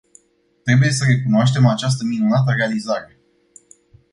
Trebuie să recunoaștem această minunată realizare.